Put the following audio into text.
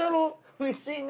おいしいね。